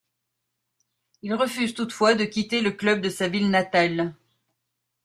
Il refuse toutefois de quitter le club de sa ville natale.